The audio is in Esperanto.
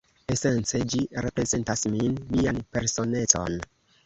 Esence, ĝi reprezentas min, mian personecon